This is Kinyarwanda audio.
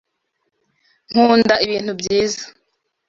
Nkunda ibintu byiza.